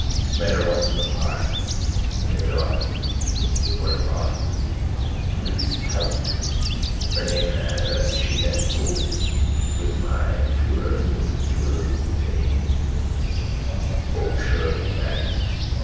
Met her once in the park. In the dark. What a lark. Police tout. Her name and address she then told with my tooraloom tooraloom tay. O, surely he bagged it.